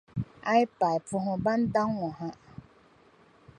A yi paai, puhimi bɛn daŋ ŋɔ ha.